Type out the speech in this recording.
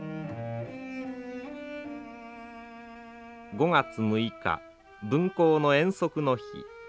５月６日分校の遠足の日。